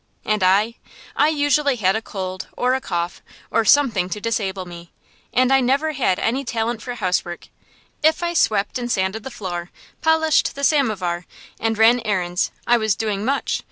And I? I usually had a cold, or a cough, or something to disable me; and I never had any talent for housework. If I swept and sanded the floor, polished the samovar, and ran errands, I was doing much.